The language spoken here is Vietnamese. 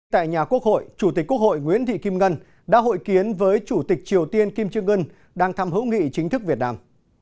tại nhà quốc hội chủ tịch quốc hội nguyễn thị kim ngân đã hội kiến với chủ tịch triều tiên kim trương ngân đang thăm hữu nghị chính thức việt nam